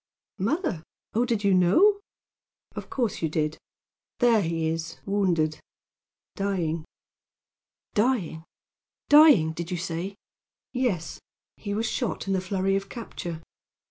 "Mother! Oh, did you know? Of course you did. There he is, wounded dying." "Dying! dying, did you say?" "Yes. He was shot in the flurry of capture."